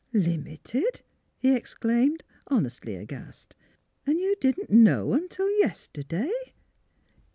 " Limited! " he exclaimed, honestly aghast. '' And you didn't know until yesterday?